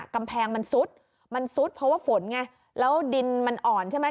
กำแพงมันซุดมันซุดเพราะว่าฝนไงแล้วดินมันอ่อนใช่ไหม